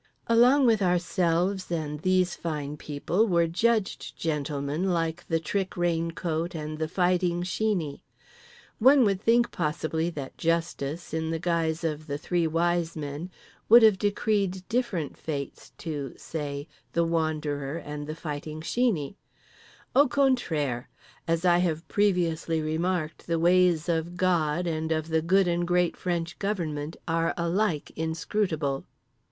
Along with ourselves and these fine people were judged gentlemen like the Trick Raincoat and the Fighting Sheeney. One would think, possibly, that Justice—in the guise of the Three Wise Men—would have decreed different fates, to (say) The Wanderer and The Fighting Sheeney. Au contraire. As I have previously remarked, the ways of God and of the good and great French Government are alike inscrutable.